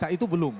nah itu belum